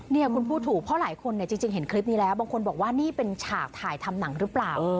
เนี่ยคุณพูดถูกเพราะหลายคนเนี่ยจริงเห็นคลิปนี้แล้วบางคนบอกว่านี่เป็นฉากถ่ายทำหนังหรือเปล่า